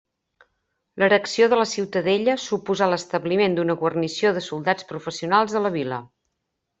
L'erecció de la ciutadella suposà l'establiment d'una guarnició de soldats professionals a la vila.